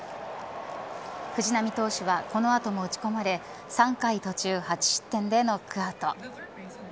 藤浪投手はこの後も打ち込まれ３回途中８失点でノックアウト。